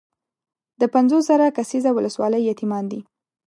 د پنځوس زره کسیزه ولسوالۍ یتیمان دي.